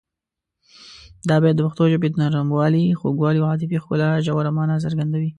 دا بیت د پښتو ژبې د نرموالي، خوږوالي او عاطفي ښکلا ژوره مانا څرګندوي.